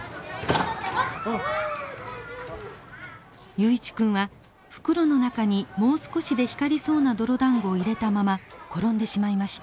雄一君は袋の中にもう少しで光りそうな泥だんごを入れたまま転んでしまいました。